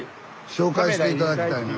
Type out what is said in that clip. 紹介して頂きたいな。